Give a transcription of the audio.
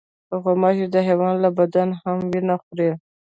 غوماشې د حیوان له بدن هم وینه خوري.